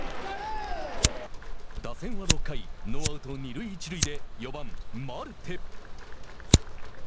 打線は６回ノーアウト、二塁一塁で４番マルテ。